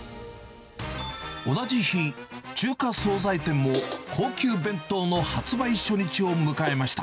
同じ日、中華惣菜店も高級弁当の発売初日を迎えました。